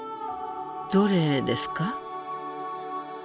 どれですか？